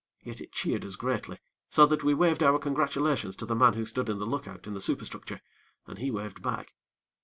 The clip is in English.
Yet it cheered us greatly, so that we waved our congratulations to the man who stood in the lookout in the superstructure, and he waved back.